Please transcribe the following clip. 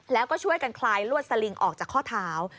แล้วก็ช่วยกันคลายลวดสลิงออกจากข้อเท้า